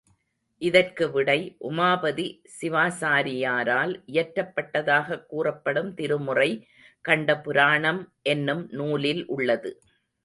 இதற்கு விடை, உமாபதி சிவா சாரியாரால் இயற்றப்பட்டதாகக் கூறப்படும் திருமுறை கண்ட புராணம் என்னும் நூலில் உள்ளது.